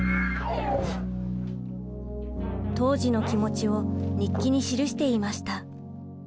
当時の気持ちを日記に記していました。